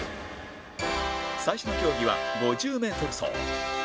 最初の競技は５０メートル走